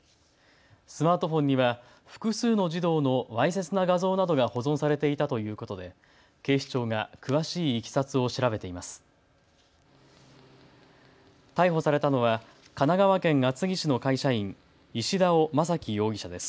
スマートフォンには複数の児童のわいせつな画像などが保存されていたということで警視庁が詳しいいきさつを調べています。